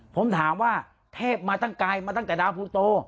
ผมถามว่าเทพมาตั้งไกลมาตั้งแต่ดาวภูโต